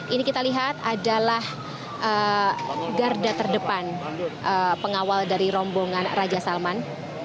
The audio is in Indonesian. ini kita lihat adalah garda terdepan pengawal dari rombongan raja salman